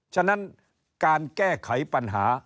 ฉะนั้นการแก้ไขปัญหา